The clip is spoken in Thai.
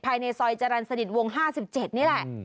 ภายในซอยจรรย์สนิทวง๕๗นี่แหละ